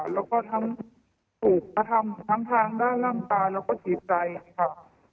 แล้วก็ทั้งสูบธรรมทั้งทางด้านล่างตาแล้วก็จีบใจค่ะ